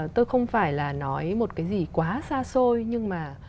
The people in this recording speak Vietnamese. tôi không phải là nói một cái gì quá xa xôi nhưng mà